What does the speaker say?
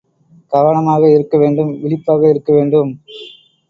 கவனமாக இருக்க வேண்டும் விழிப்பாக இருக்க வேண்டும்.